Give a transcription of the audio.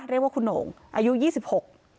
เรียกว่าคุณโหน่งอายุยี่สิบหก